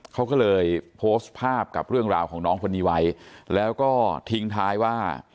เขาก็เลยโพสต์ภาพกับเรื่องราวของน้องคนนี้ไว้แล้วก็ทิ้งท้ายว่า